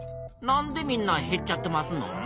なんでみんなへっちゃってますのん？